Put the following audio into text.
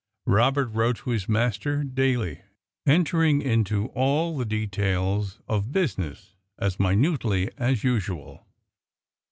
Robert wrote to his master daily, entering into all the details of business as minutely as usual.